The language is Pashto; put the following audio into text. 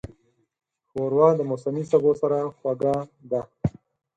ښوروا د موسمي سبو سره خوږه ده.